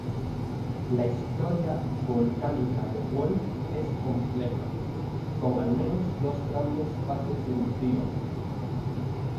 La historia volcánica de Wolf es compleja, con al menos dos grandes fases eruptivas.